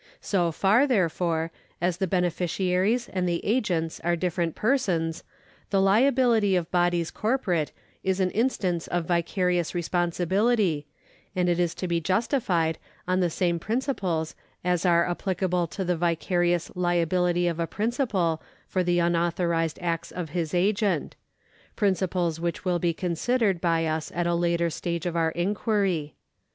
So far, therefore, as the beneficiaries and the agents are different persons, the liability of bodies corporate is an instance of vicarious responsibility, and it is to be justified on the same principles as are applic able to the vicarious liability of a principal for the un authorised acts of his agent — principles which will be con sidered by us at a later stage of our enquiry.